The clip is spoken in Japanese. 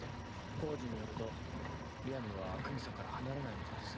浩次によるとリアムは久実さんから離れないみたいです。